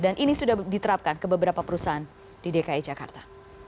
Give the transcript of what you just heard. dan ini sudah diterapkan ke beberapa perusahaan di dki jakarta